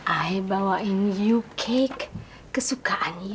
ayah bawain kek kesukaan ayah